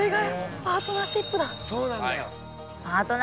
パートナーシップか。